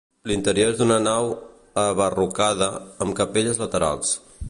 L'interior és d'una nau, abarrocada, amb capelles laterals.